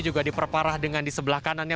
juga diperparah dengan di sebelah kanannya